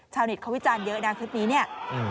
ชาวเน็ตเขาวิจารณ์เยอะนะคลิปนี้เนี่ย